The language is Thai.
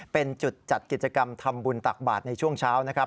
เป็นจุดจัดกิจกรรมทำบุญตักบาทในช่วงเช้านะครับ